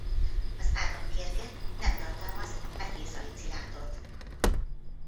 Az ágak kérge nem tartalmaz metil-szalicilátot.